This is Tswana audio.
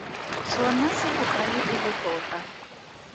Sona se bogale e le tota.